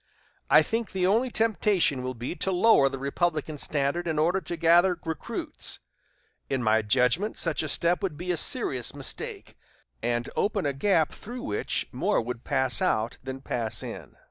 I think the only temptation will be to lower the Republican standard in order to gather recruits In my judgment, such a step would be a serious mistake, and open a gap through which more would pass out than pass in.